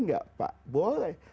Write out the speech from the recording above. nggak pak boleh